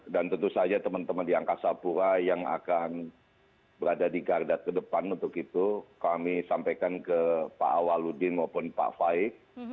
dan tentu saja teman teman di angkasa pura yang akan berada di gardat ke depan untuk itu kami sampaikan ke pak waludin maupun pak faik